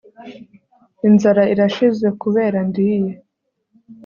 inzara irashize kubera ndiye